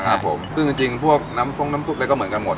ครับผมซึ่งจริงจริงพวกน้ำทรงน้ำซุปอะไรก็เหมือนกันหมด